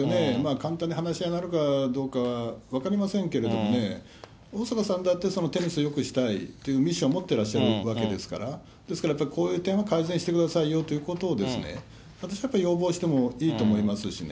簡単に話し合いになるかどうかは分かりませんけれどもね、大坂さんだってテニスをよくしたいというミッション持ってらっしゃるわけですから、ですからこういう点を改善してくださいよということを私はやっぱり要望してもいいと思いますしね。